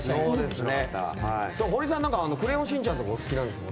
堀さん「クレヨンしんちゃん」とかお好きなんですよね。